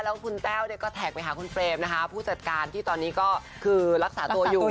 แล้วคุณแต้วเนี่ยก็แท็กไปหาคุณเฟรมนะคะผู้จัดการที่ตอนนี้ก็คือรักษาตัวอยู่